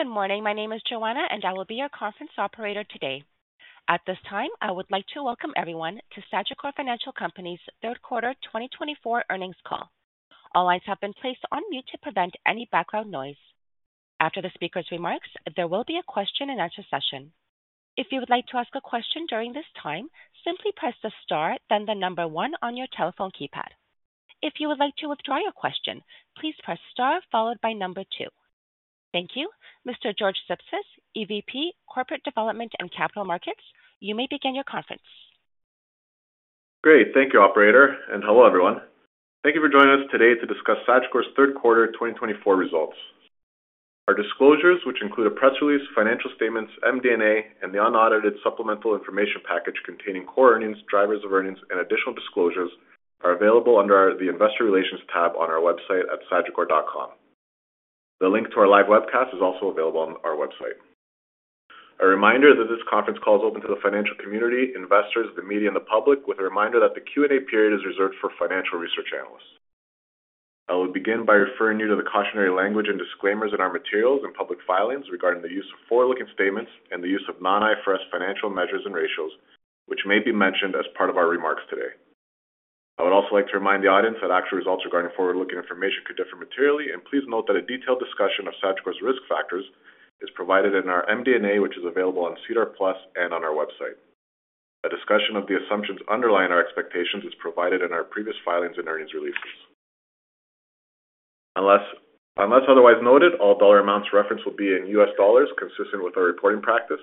Good morning. My name is Joanna, and I will be your conference operator today. At this time, I would like to welcome everyone to Sagicor Financial Company's third quarter 2024 earnings call. All lines have been placed on mute to prevent any background noise. After the speaker's remarks, there will be a question-and-answer session. If you would like to ask a question during this time, simply press the star, then the number one on your telephone keypad. If you would like to withdraw your question, please press star followed by number two. Thank you. Mr. George Sipsis, EVP, Corporate Development and Capital Markets, you may begin your conference. Great. Thank you, Operator. And hello, everyone. Thank you for joining us today to discuss Sagicor's third quarter 2024 results. Our disclosures, which include a press release, financial statements, MD&A, and the unaudited supplemental information package containing core earnings, drivers of earnings, and additional disclosures, are available under the Investor Relations tab on our website at sagicor.com. The link to our live webcast is also available on our website. A reminder that this conference call is open to the financial community, investors, the media, and the public, with a reminder that the Q&A period is reserved for financial research analysts. I will begin by referring you to the cautionary language and disclaimers in our materials and public filings regarding the use of forward-looking statements and the use of non-IFRS financial measures and ratios, which may be mentioned as part of our remarks today. I would also like to remind the audience that actual results regarding forward-looking information could differ materially, and please note that a detailed discussion of Sagicor's risk factors is provided in our MD&A, which is available on SEDAR+ and on our website. A discussion of the assumptions underlying our expectations is provided in our previous filings and earnings releases. Unless otherwise noted, all dollar amounts referenced will be in USD, consistent with our reporting practice.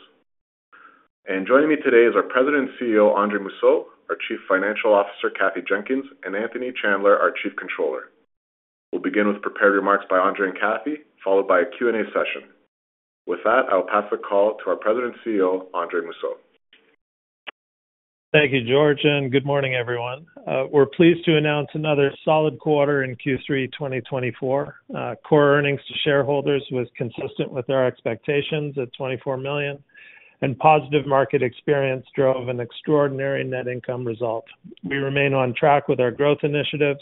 Joining me today is our President and CEO, Andre Mousseau, our Chief Financial Officer, Kathy Jenkins, and Anthony Chandler, our Chief Controller. We'll begin with prepared remarks by Andre and Kathy, followed by a Q&A session. With that, I will pass the call to our President and CEO, Andre Mousseau. Thank you, George. And good morning, everyone. We're pleased to announce another solid quarter in Q3 2024. Core earnings to shareholders was consistent with our expectations at $24 million, and positive market experience drove an extraordinary net income result. We remain on track with our growth initiatives,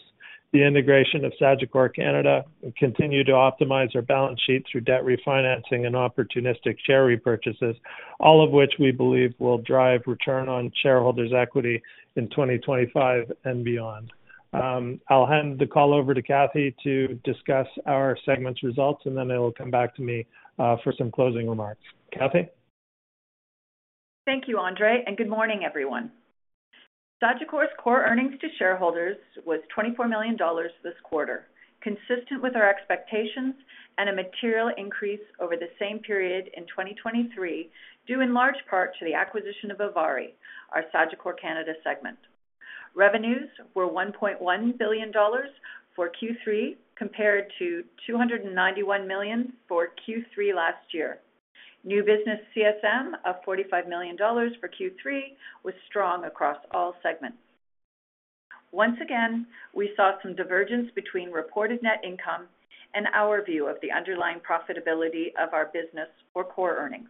the integration of Sagicor Canada, and continue to optimize our balance sheet through debt refinancing and opportunistic share repurchases, all of which we believe will drive return on shareholders' equity in 2025 and beyond. I'll hand the call over to Kathy to discuss our segment's results, and then they will come back to me for some closing remarks. Kathy? Thank you, Andre, and good morning, everyone. Sagicor's core earnings to shareholders was $24 million this quarter, consistent with our expectations and a material increase over the same period in 2023, due in large part to the acquisition of ivari, our Sagicor Canada segment. Revenues were $1.1 billion for Q3, compared to $291 million for Q3 last year. New business CSM of $45 million for Q3 was strong across all segments. Once again, we saw some divergence between reported net income and our view of the underlying profitability of our business or core earnings.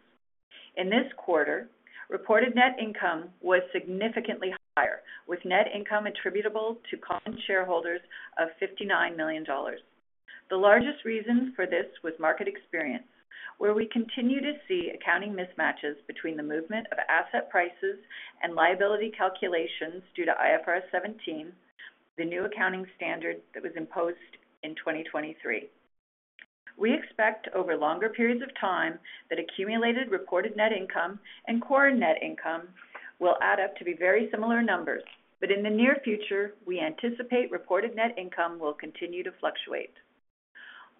In this quarter, reported net income was significantly higher, with net income attributable to common shareholders of $59 million. The largest reason for this was market experience, where we continue to see accounting mismatches between the movement of asset prices and liability calculations due to IFRS 17, the new accounting standard that was imposed in 2023. We expect over longer periods of time that accumulated reported net income and core net income will add up to be very similar numbers, but in the near future, we anticipate reported net income will continue to fluctuate.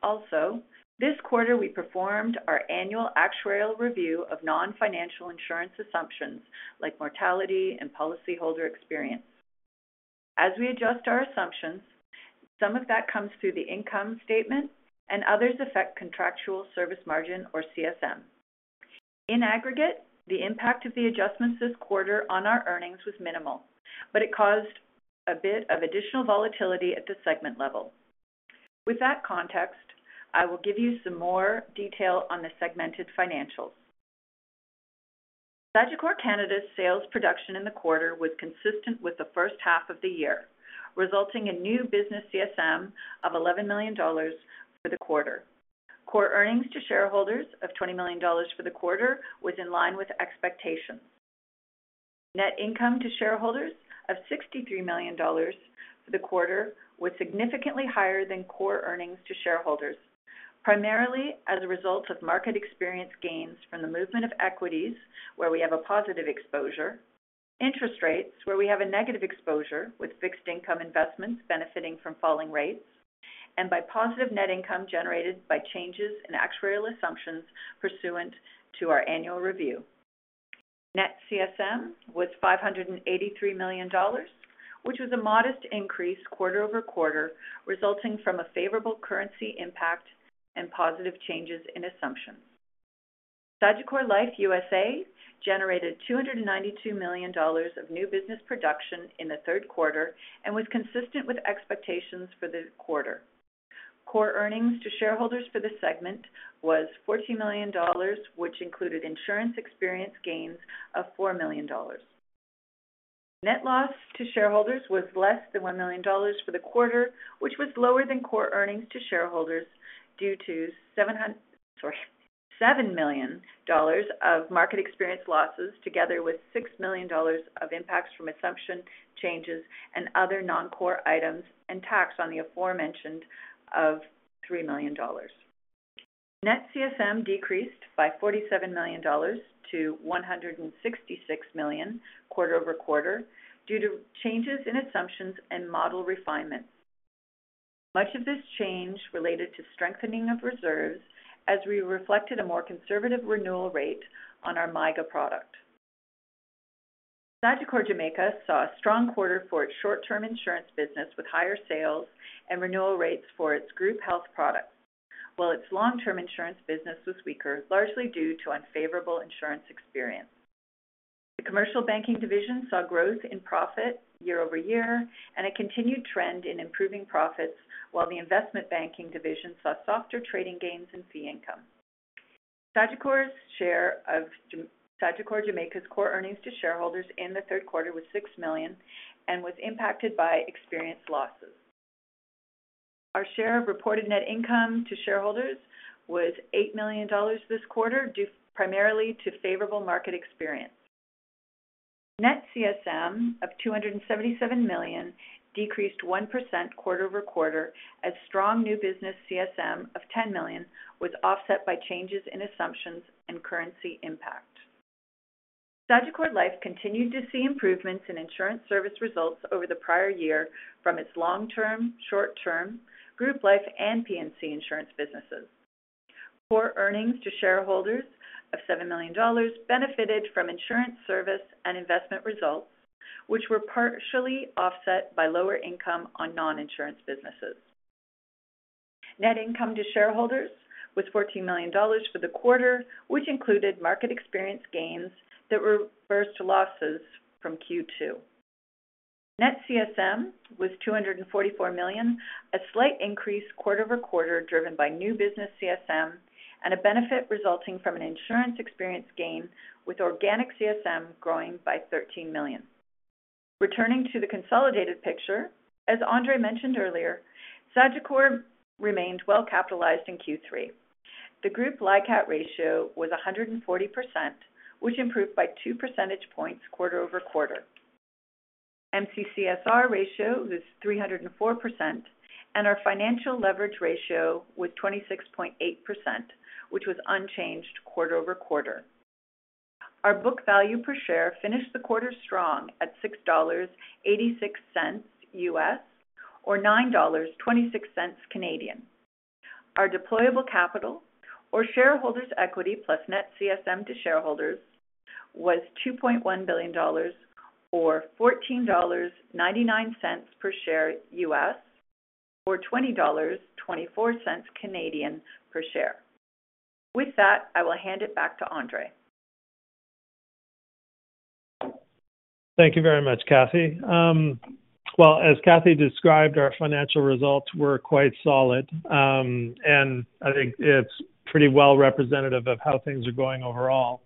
Also, this quarter, we performed our annual actuarial review of non-financial insurance assumptions like mortality and policyholder experience. As we adjust our assumptions, some of that comes through the income statement, and others affect contractual service margin or CSM. In aggregate, the impact of the adjustments this quarter on our earnings was minimal, but it caused a bit of additional volatility at the segment level. With that context, I will give you some more detail on the segmented financials. Sagicor Canada's sales production in the quarter was consistent with the first half of the year, resulting in new business CSM of $11 million for the quarter. Core earnings to shareholders of $20 million for the quarter was in line with expectations. Net income to shareholders of $63 million for the quarter was significantly higher than core earnings to shareholders, primarily as a result of market experience gains from the movement of equities, where we have a positive exposure, interest rates, where we have a negative exposure, with fixed income investments benefiting from falling rates, and by positive net income generated by changes in actuarial assumptions pursuant to our annual review. Net CSM was $583 million, which was a modest increase quarter-over-quarter, resulting from a favorable currency impact and positive changes in assumptions. Sagicor Life USA generated $292 million of new business production in the third quarter and was consistent with expectations for the quarter. Core earnings to shareholders for the segment was $14 million, which included insurance experience gains of $4 million. Net loss to shareholders was less than $1 million for the quarter, which was lower than core earnings to shareholders due to $7 million of market experience losses, together with $6 million of impacts from assumption changes and other non-core items and tax on the aforementioned of $3 million. Net CSM decreased by $47 million to $166 million quarter-over-quarter due to changes in assumptions and model refinement. Much of this change related to strengthening of reserves as we reflected a more conservative renewal rate on our MYGA product. Sagicor Jamaica saw a strong quarter for its short-term insurance business with higher sales and renewal rates for its group health products, while its long-term insurance business was weaker, largely due to unfavorable insurance experience. The commercial banking division saw growth in profit year over year and a continued trend in improving profits, while the investment banking division saw softer trading gains in fee income. Sagicor's share of Sagicor Jamaica's core earnings to shareholders in the third quarter was $6 million and was impacted by experience losses. Our share of reported net income to shareholders was $8 million this quarter, primarily due to favorable market experience. Net CSM of $277 million decreased 1% quarter-over-quarter as strong new business CSM of $10 million was offset by changes in assumptions and currency impact. Sagicor Life continued to see improvements in insurance service results over the prior year from its long-term, short-term, group life, and P&C insurance businesses. Core earnings to shareholders of $7 million benefited from insurance service and investment results, which were partially offset by lower income on non-insurance businesses. Net income to shareholders was $14 million for the quarter, which included market experience gains that reversed losses from Q2. Net CSM was $244 million, a slight increase quarter-over-quarter driven by new business CSM and a benefit resulting from an insurance experience gain, with organic CSM growing by $13 million. Returning to the consolidated picture, as Andre mentioned earlier, Sagicor remained well capitalized in Q3. The group LICAT ratio was 140%, which improved by 2 percentage points quarter-over-quarter. MCCSR ratio was 304%, and our financial leverage ratio was 26.8%, which was unchanged quarter-over-quarter. Our book value per share finished the quarter strong at $6.86 USD, or 9.26 Canadian dollars. Our deployable capital, or shareholders' equity plus net CSM to shareholders, was $2.1 billion, or $14.99 per share USD, or 20.24 Canadian dollars per share. With that, I will hand it back to Andre. Thank you very much, Kathy. Well, as Kathy described, our financial results were quite solid, and I think it's pretty well representative of how things are going overall.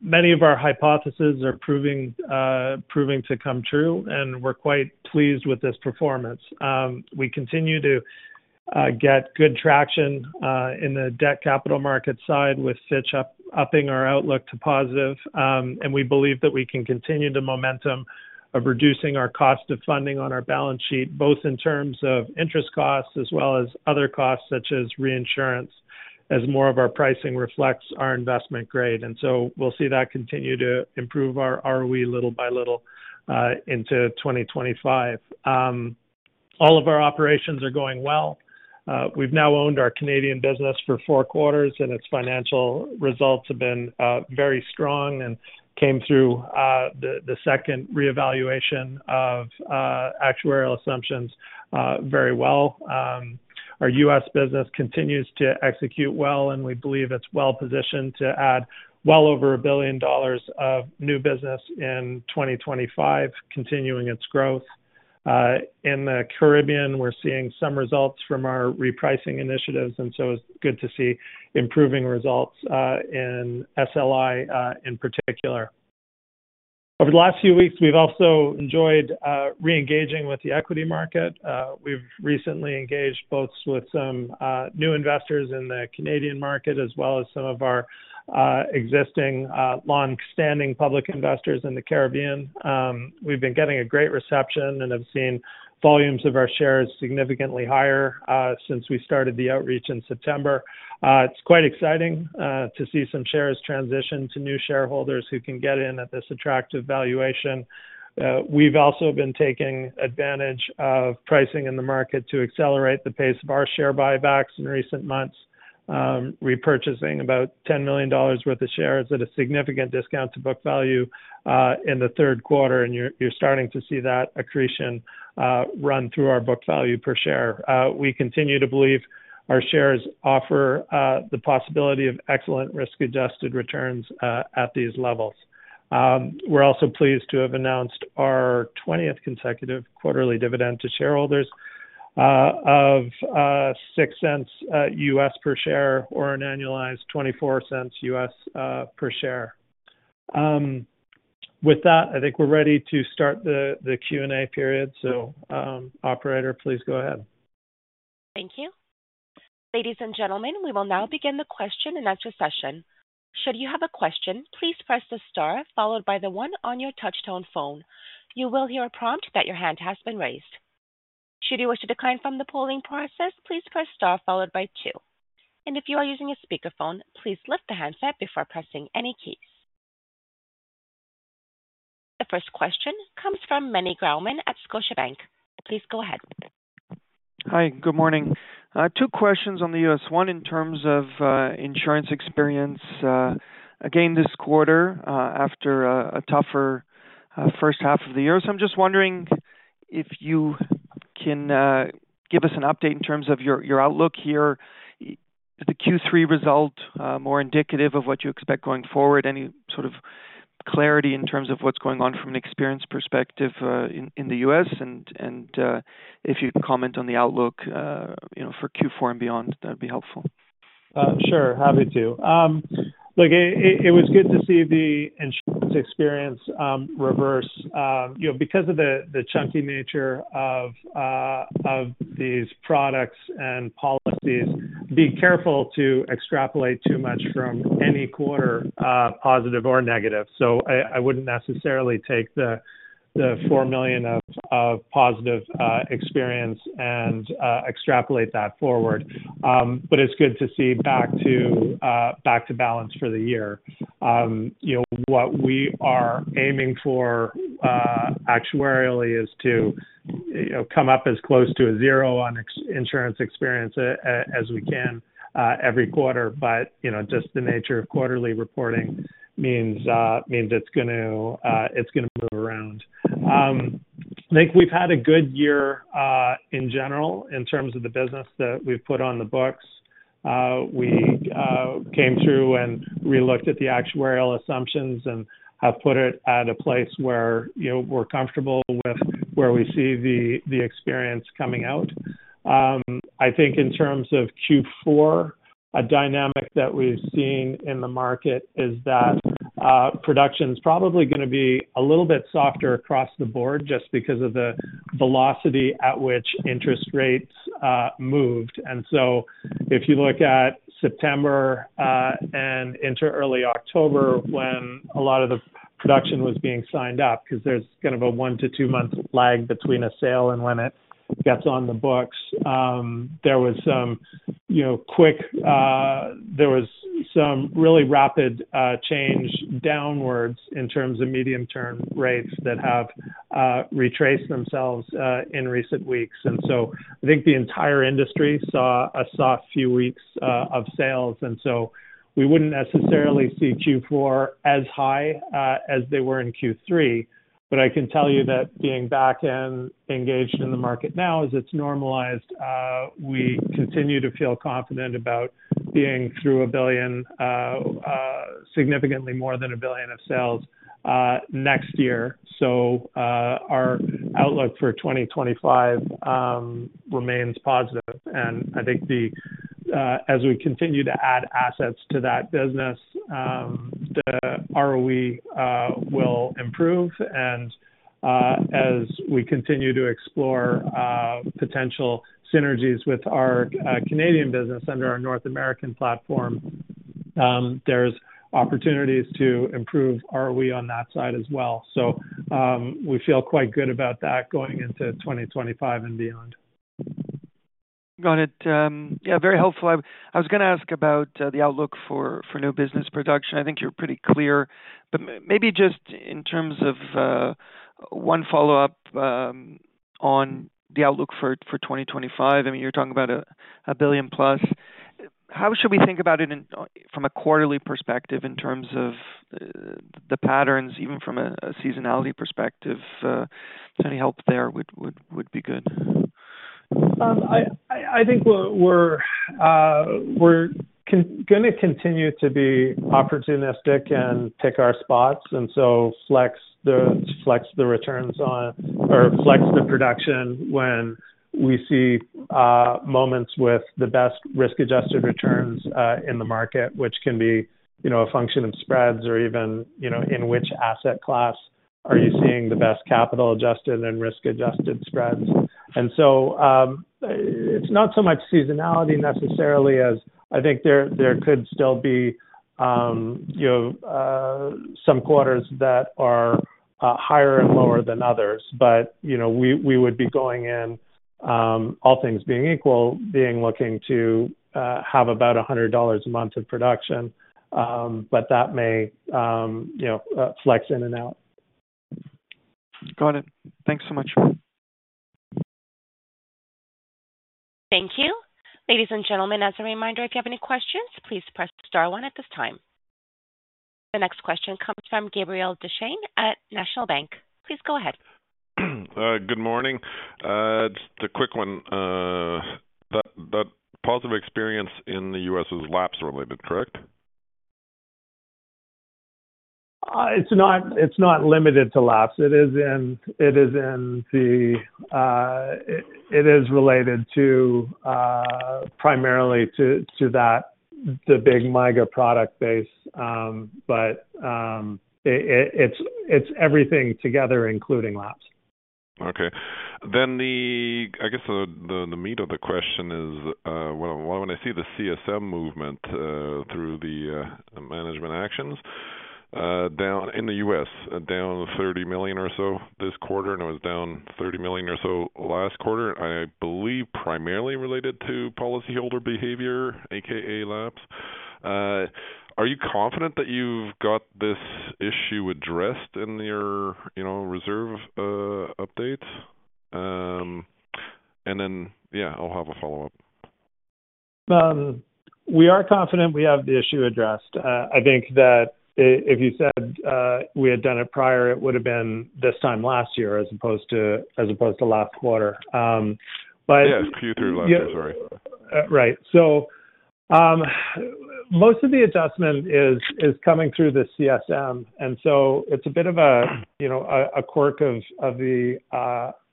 Many of our hypotheses are proving to come true, and we're quite pleased with this performance. We continue to get good traction in the debt capital market side, with Fitch upping our outlook to positive, and we believe that we can continue the momentum of reducing our cost of funding on our balance sheet, both in terms of interest costs as well as other costs such as reinsurance, as more of our pricing reflects our investment grade, and so we'll see that continue to improve our ROE little by little into 2025. All of our operations are going well. We've now owned our Canadian business for four quarters, and its financial results have been very strong and came through the second reevaluation of actuarial assumptions very well. Our U.S. business continues to execute well, and we believe it's well positioned to add well over $1 billion of new business in 2025, continuing its growth. In the Caribbean, we're seeing some results from our repricing initiatives, and so it's good to see improving results in SLI in particular. Over the last few weeks, we've also enjoyed reengaging with the equity market. We've recently engaged both with some new investors in the Canadian market as well as some of our existing long-standing public investors in the Caribbean. We've been getting a great reception and have seen volumes of our shares significantly higher since we started the outreach in September. It's quite exciting to see some shares transition to new shareholders who can get in at this attractive valuation. We've also been taking advantage of pricing in the market to accelerate the pace of our share buybacks in recent months, repurchasing about $10 million worth of shares at a significant discount to book value in the third quarter, and you're starting to see that accretion run through our book value per share. We continue to believe our shares offer the possibility of excellent risk-adjusted returns at these levels. We're also pleased to have announced our 20th consecutive quarterly dividend to shareholders of $0.06 USD per share or an annualized $0.24 USD per share. With that, I think we're ready to start the Q&A period. So, Operator, please go ahead. Thank you. Ladies and gentlemen, we will now begin the question and answer session. Should you have a question, please press the star followed by the one on your touch-tone phone. You will hear a prompt that your hand has been raised. Should you wish to decline from the polling process, please press star followed by two. If you are using a speakerphone, please lift the handset before pressing any keys. The first question comes from Meny Grauman at Scotiabank. Please go ahead. Hi, good morning. Two questions on the U.S. one, in terms of insurance experience. Again, this quarter after a tougher first half of the year. So I'm just wondering if you can give us an update in terms of your outlook here. Is the Q3 result more indicative of what you expect going forward? Any sort of clarity in terms of what's going on from an experience perspective in the U.S.? And if you'd comment on the outlook for Q4 and beyond, that'd be helpful. Sure, happy to. Look, it was good to see the insurance experience reverse. Because of the chunky nature of these products and policies, be careful to extrapolate too much from any quarter, positive or negative. So I wouldn't necessarily take the $4 million of positive experience and extrapolate that forward. But it's good to see back to balance for the year. What we are aiming for actuarially is to come up as close to a zero on insurance experience as we can every quarter. But just the nature of quarterly reporting means it's going to move around. I think we've had a good year in general in terms of the business that we've put on the books. We came through and relooked at the actuarial assumptions and have put it at a place where we're comfortable with where we see the experience coming out. I think in terms of Q4, a dynamic that we've seen in the market is that production's probably going to be a little bit softer across the board just because of the velocity at which interest rates moved, and so if you look at September and into early October when a lot of the production was being signed up, because there's kind of a one- to two-month lag between a sale and when it gets on the books, there was some really rapid change downwards in terms of medium-term rates that have retraced themselves in recent weeks, and so I think the entire industry saw a soft few weeks of sales, and so we wouldn't necessarily see Q4 as high as they were in Q3. But I can tell you that being back and engaged in the market now as it's normalized, we continue to feel confident about being through a billion, significantly more than a billion of sales next year. So our outlook for 2025 remains positive. And I think as we continue to add assets to that business, the ROE will improve. And as we continue to explore potential synergies with our Canadian business under our North American platform, there's opportunities to improve ROE on that side as well. So we feel quite good about that going into 2025 and beyond. Got it. Yeah, very helpful. I was going to ask about the outlook for new business production. I think you're pretty clear. But maybe just in terms of one follow-up on the outlook for 2025, I mean, you're talking $1 billion+. How should we think about it from a quarterly perspective in terms of the patterns, even from a seasonality perspective? Any help there would be good. I think we're going to continue to be opportunistic and pick our spots and so flex the returns or flex the production when we see moments with the best risk-adjusted returns in the market, which can be a function of spreads or even in which asset class are you seeing the best capital adjusted and risk-adjusted spreads. And so it's not so much seasonality necessarily as I think there could still be some quarters that are higher and lower than others. But we would be going in, all things being equal, being looking to have about $100 a month of production. But that may flex in and out. Got it. Thanks so much. Thank you. Ladies and gentlemen, as a reminder, if you have any questions, please press star one at this time. The next question comes from Gabriel Dechaine at National Bank. Please go ahead. Good morning. Just a quick one. That positive experience in the U.S. is lapse-related, correct? It's not limited to lapse. It is related primarily to that, the big MYGA product base. But it's everything together, including lapse. Okay. Then the, I guess the meat of the question is, when I see the CSM movement through the management actions down in the U.S., down $30 million or so this quarter, and it was down $30 million or so last quarter, I believe primarily related to policyholder behavior, a.k.a. lapse. Are you confident that you've got this issue addressed in your reserve updates? And then, yeah, I'll have a follow-up. We are confident we have the issue addressed. I think that if you said we had done it prior, it would have been this time last year as opposed to last quarter. But. Q3 last year, sorry. Right. So most of the adjustment is coming through the CSM. And so it's a bit of a quirk of the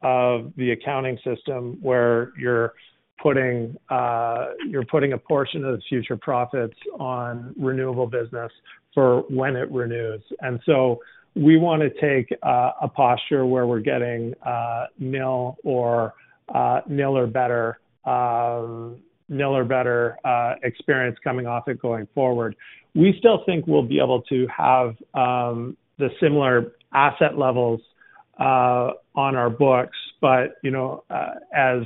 accounting system where you're putting a portion of the future profits on renewable business for when it renews. And so we want to take a posture where we're getting nil or better experience coming off it going forward. We still think we'll be able to have the similar asset levels on our books, but as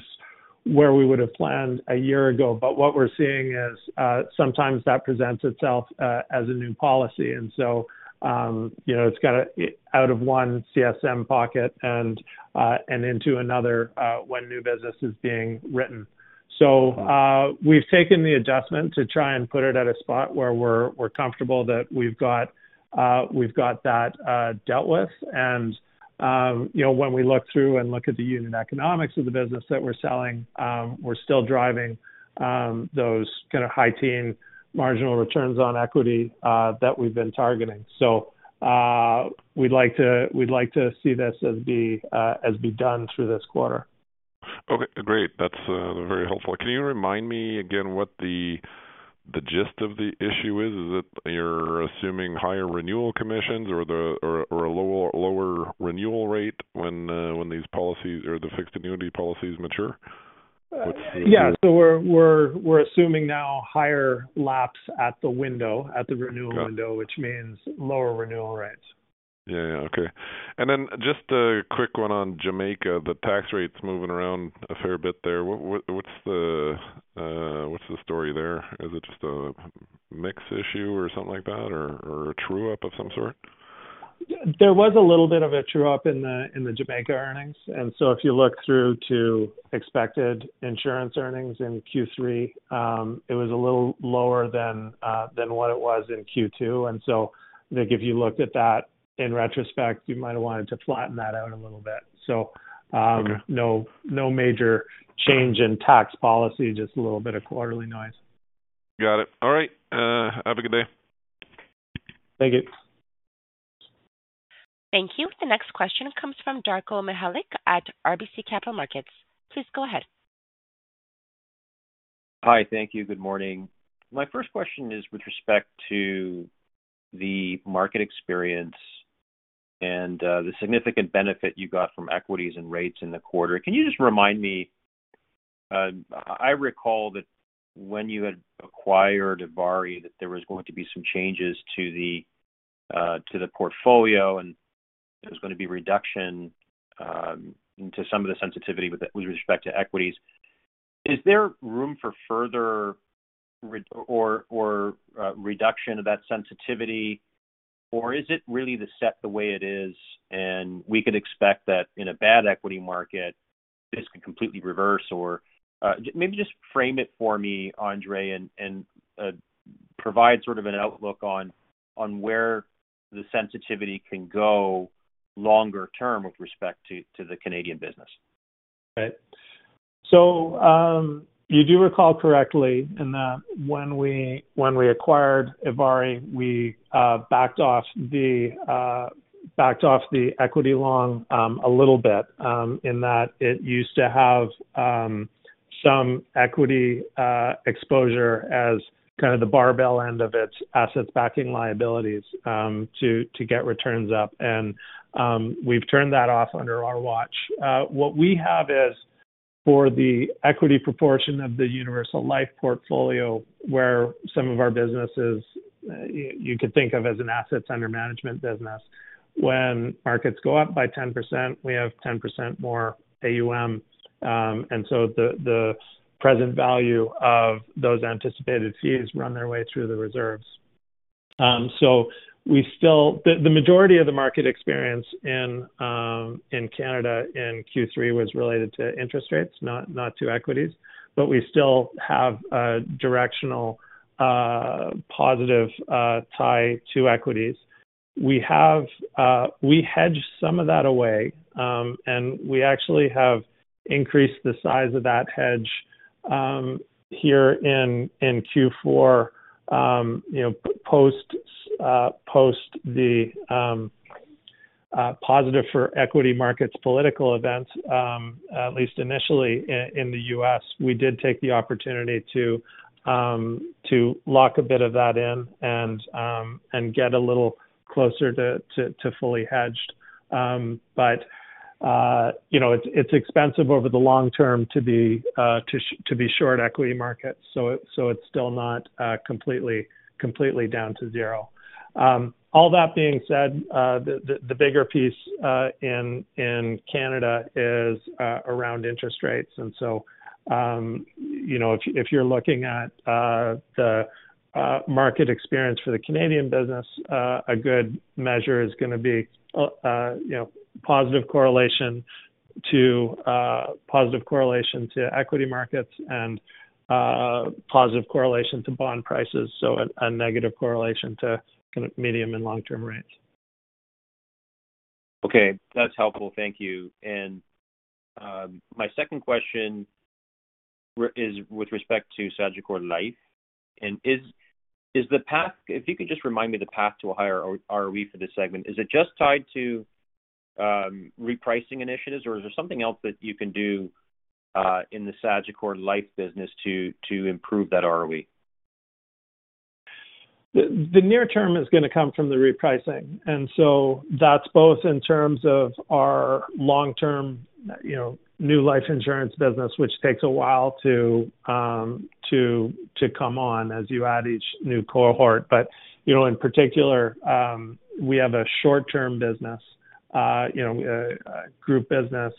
where we would have planned a year ago. But what we're seeing is sometimes that presents itself as a new policy. And so it's got to out of one CSM pocket and into another when new business is being written. So we've taken the adjustment to try and put it at a spot where we're comfortable that we've got that dealt with. When we look through and look at the unit economics of the business that we're selling, we're still driving those kind of high-teens marginal returns on equity that we've been targeting. We'd like to see this as being done through this quarter. Okay. Great. That's very helpful. Can you remind me again what the gist of the issue is? Is it you're assuming higher renewal commissions or a lower renewal rate when these policies or the fixed annuity policies mature? Yeah, so we're assuming now higher lapse at the window, at the renewal window, which means lower renewal rates. Yeah. Yeah. Okay. And then just a quick one on Jamaica, the tax rates moving around a fair bit there. What's the story there? Is it just a mix issue or something like that or a true-up of some sort? There was a little bit of a true-up in the Jamaica earnings. And so if you look through to expected insurance earnings in Q3, it was a little lower than what it was in Q2. And so if you looked at that in retrospect, you might have wanted to flatten that out a little bit. So no major change in tax policy, just a little bit of quarterly noise. Got it. All right. Have a good day. Thank you. Thank you. The next question comes from Darko Mihelic at RBC Capital Markets. Please go ahead. Hi. Thank you. Good morning. My first question is with respect to the market experience and the significant benefit you got from equities and rates in the quarter. Can you just remind me? I recall that when you had acquired ivari, that there was going to be some changes to the portfolio and there was going to be reduction to some of the sensitivity with respect to equities. Is there room for further reduction of that sensitivity, or is it really set the way it is and we could expect that in a bad equity market, this can completely reverse? Or maybe just frame it for me, Andre, and provide sort of an outlook on where the sensitivity can go longer term with respect to the Canadian business. Okay. You do recall correctly in that when we acquired ivari, we backed off the equity long a little bit in that it used to have some equity exposure as kind of the barbell end of its assets backing liabilities to get returns up. And we've turned that off under our watch. What we have is for the equity proportion of the universal life portfolio where some of our businesses you could think of as an assets under management business, when markets go up by 10%, we have 10% more AUM. And so the present value of those anticipated fees run their way through the reserves. So the majority of the market experience in Canada in Q3 was related to interest rates, not to equities. But we still have a directional positive tie to equities. We hedge some of that away, and we actually have increased the size of that hedge here in Q4 post the positive for equity markets political events, at least initially in the U.S. We did take the opportunity to lock a bit of that in and get a little closer to fully hedged. But it's expensive over the long term to be short equity markets. So it's still not completely down to zero. All that being said, the bigger piece in Canada is around interest rates. And so if you're looking at the market experience for the Canadian business, a good measure is going to be positive correlation to equity markets and positive correlation to bond prices. So a negative correlation to kind of medium and long-term rates. Okay. That's helpful. Thank you. And my second question is with respect to Sagicor Life. And is the path, if you could just remind me the path to a higher ROE for this segment, is it just tied to repricing initiatives, or is there something else that you can do in the Sagicor Life business to improve that ROE? The near term is going to come from the repricing, and so that's both in terms of our long-term new life insurance business, which takes a while to come on as you add each new cohort, but in particular, we have a short-term business, a group business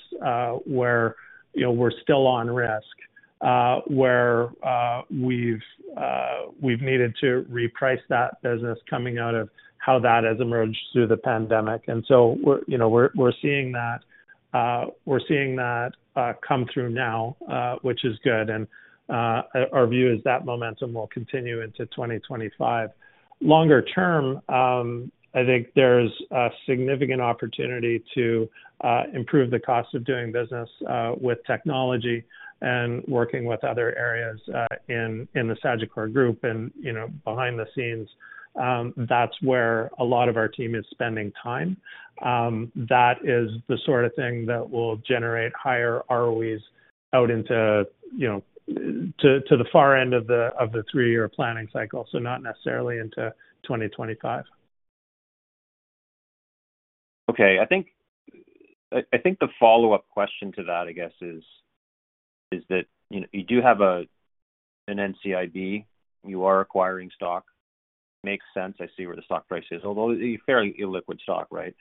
where we're still on risk, where we've needed to reprice that business coming out of how that has emerged through the pandemic, and so we're seeing that come through now, which is good, and our view is that momentum will continue into 2025. Longer term, I think there's a significant opportunity to improve the cost of doing business with technology and working with other areas in the Sagicor Group and behind the scenes. That's where a lot of our team is spending time. That is the sort of thing that will generate higher ROEs out into the far end of the three-year planning cycle, so not necessarily into 2025. Okay. I think the follow-up question to that, I guess, is that you do have an NCIB. You are acquiring stock. Makes sense. I see where the stock price is, although you're fairly illiquid stock, right?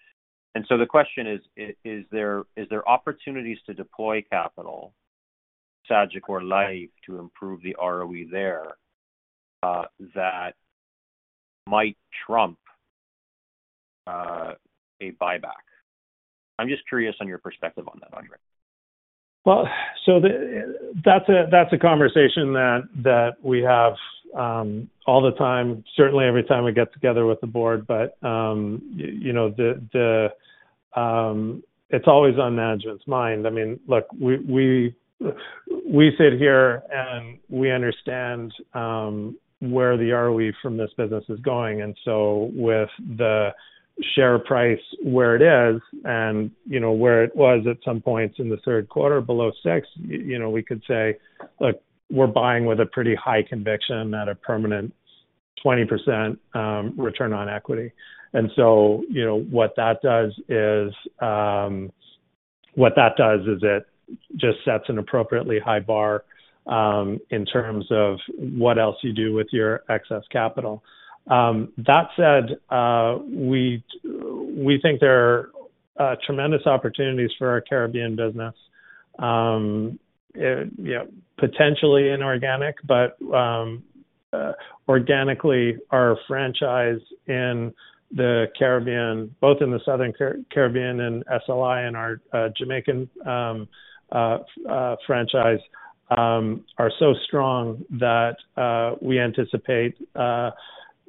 And so the question is, is there opportunities to deploy capital, Sagicor Life, to improve the ROE there that might trump a buyback? I'm just curious on your perspective on that, Andre. So that's a conversation that we have all the time, certainly every time we get together with the board. But it's always on management's mind. I mean, look, we sit here and we understand where the ROE from this business is going. And so with the share price where it is and where it was at some points in the third quarter below $6, we could say, "Look, we're buying with a pretty high conviction at a permanent 20% return on equity." And so what that does is it just sets an appropriately high bar in terms of what else you do with your excess capital. That said, we think there are tremendous opportunities for our Caribbean business, potentially inorganic, but organically, our franchise in the Caribbean, both in the Southern Caribbean and SLI and our Jamaican franchise are so strong that we anticipate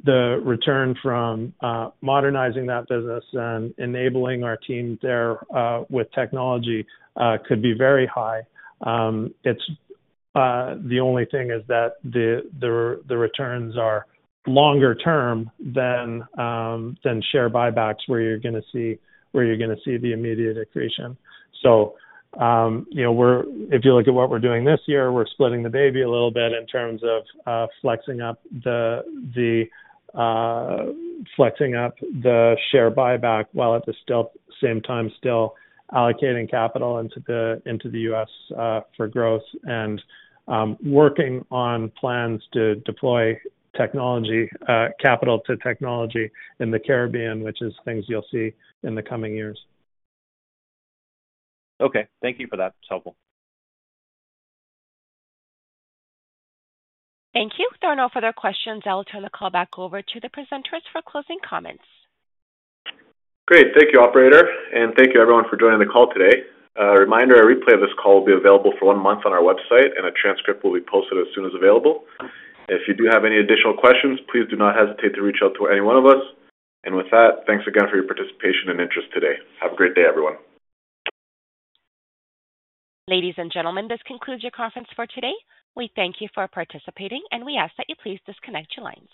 the return from modernizing that business and enabling our team there with technology could be very high. The only thing is that the returns are longer term than share buybacks where you're going to see the immediate accretion, so if you look at what we're doing this year, we're splitting the baby a little bit in terms of flexing up the share buyback while at the same time still allocating capital into the U.S. for growth and working on plans to deploy technology capital to technology in the Caribbean, which is things you'll see in the coming years. Okay. Thank you for that. It's helpful. Thank you. There are no further questions. I'll turn the call back over to the presenters for closing comments. Great. Thank you, Operator. And thank you, everyone, for joining the call today. A reminder, a replay of this call will be available for one month on our website, and a transcript will be posted as soon as available. If you do have any additional questions, please do not hesitate to reach out to any one of us. And with that, thanks again for your participation and interest today. Have a great day, everyone. Ladies and gentlemen, this concludes your conference for today. We thank you for participating, and we ask that you please disconnect your lines.